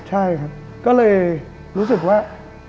ใช่ครับก็เลยรู้สึกว่า